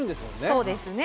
そうですね。